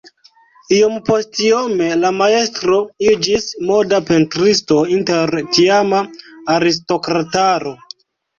Iompostiome la majstro iĝis moda pentristo inter tiama aristokrataro.